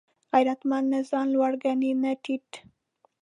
غیرتمند نه ځان لوړ ګڼي نه ټیټ